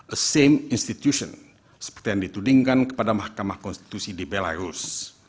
a same institution seperti yang ditudingkan kepada mahkamah konstitusi di belarus